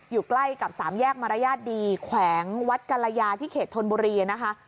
อยู่ใกล้กับสามแยกมารยาทดีแขวงวัดกรยาที่เขตธนบุรีนะคะ